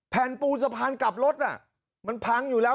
แผ่นปูนสะพานกลับรถมันพังอยู่แล้ว